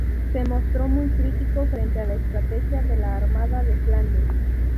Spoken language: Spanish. Se mostró muy crítico frente a la estrategia de la armada de Flandes.